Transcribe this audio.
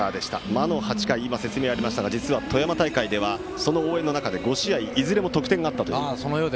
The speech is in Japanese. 魔の８回、今説明がありましたが富山大会ではその応援の中で５試合いずれも得点があったと。